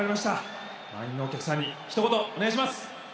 満員のお客さんにひと言お願いします！